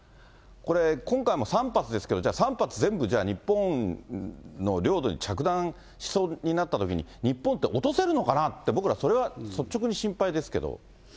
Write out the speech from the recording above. これ、今回も３発ですけど、じゃあ、３発全部、日本の領土に着弾しそうになったときに、日本って、落とせるのかなって、僕ら、それは率直に心配ですけど。